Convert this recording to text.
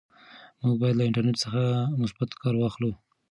موږ باید له انټرنیټ څخه مثبت کار واخلو.